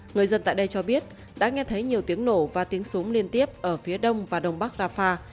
người dân tại đây cho biết đã nghe thấy nhiều tiếng nổ và tiếng súng liên tiếp ở phía đông và đông bắc rafah